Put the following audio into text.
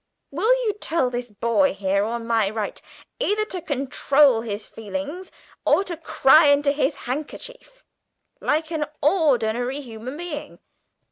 Will you tell this boy here, on my right, either to control his feelings or to cry into his pocket handkerchief, like an ordinary human being?